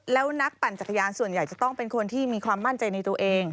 แล้วนักปั่นจักรยานส่วนใหญ่จะต้องเป็นคนที่มีความมั่นใจในตัวเอง